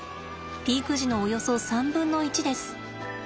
ピーク時のおよそ３分の１です。